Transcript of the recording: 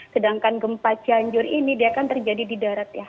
sedangkan gempa cianjur ini dia kan terjadi di darat ya